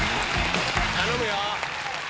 頼むよ！